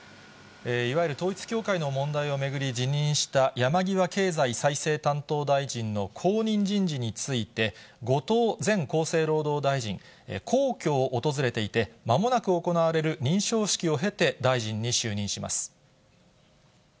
いわゆる統一教会の問題を巡り辞任した、山際経済再生担当大臣の後任人事について、後藤前厚生労働大臣、皇居を訪れていて、まもなく行われる認証式を経て、大臣に就任します。